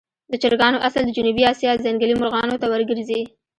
د چرګانو اصل د جنوبي آسیا ځنګلي مرغانو ته ورګرځي.